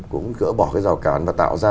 cũng gỡ bỏ cái rào cản và tạo ra